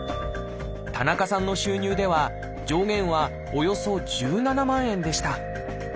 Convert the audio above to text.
田中さんの収入では上限はおよそ１７万円でした。